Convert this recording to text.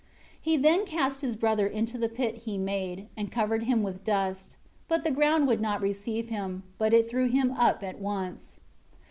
12 He then cast his brother into the pit he made, and covered him with dust. But the ground would not receive him; but it threw him up at once.